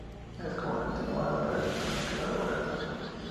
Es comúnmente llamada pared sónica o barrera de sonido.